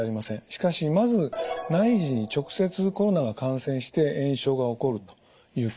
しかしまず内耳に直接コロナが感染して炎症が起こるというケース。